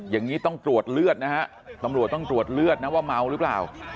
อย่างนี้ต้องตรวจเลือดนะฮะตำรวจต้องตรวจเลือดนะว่าเมาหรือเปล่า